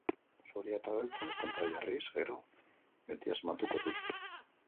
Zuria eta beltza kontrajarriz gero, beti asmatuko duzu.